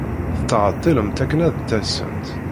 Tettɛeḍḍilemt akken ad d-tasemt.